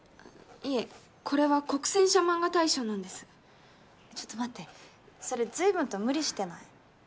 いえこれは黒泉社漫画大賞なんですちょっと待ってそれ随分と無理してない？